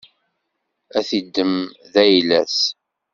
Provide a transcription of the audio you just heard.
Ad t-iddem d ayla-s.